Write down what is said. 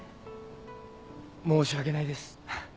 申し訳ないです。